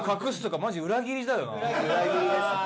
裏切りですね。